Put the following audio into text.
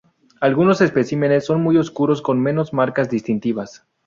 Algunos especímenes son muy oscuros, con menos marcas distintivas.